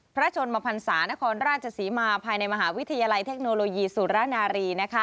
พระชนมพันศานครราชศรีมาภายในมหาวิทยาลัยเทคโนโลยีสุรนารี